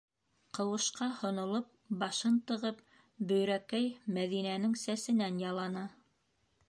- Ҡыуышҡа һонолоп башын тығып, Бөйрәкәй Мәҙинәнең сәсенән яланы.